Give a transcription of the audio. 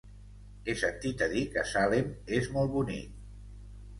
He sentit a dir que Salem és molt bonic.